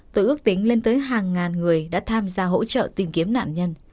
từ ước tính lên tới hàng ngàn người đã tham gia hỗ trợ tìm kiếm nạn nhân